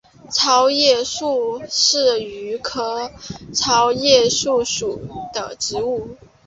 糙叶树是榆科糙叶树属的植物。